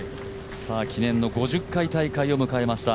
記念の５０回大会を迎えました